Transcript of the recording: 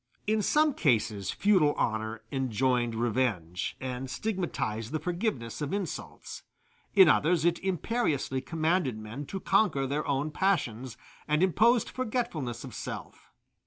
In some cases feudal honor enjoined revenge, and stigmatized the forgiveness of insults; in others it imperiously commanded men to conquer their own passions, and imposed forgetfulness of self.